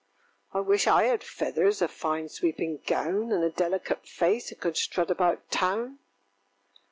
ŌĆöŌĆ£I wish I had feathers, a fine sweeping gown, And a delicate face, and could strut about Town!